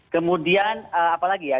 kemudian apa lagi ya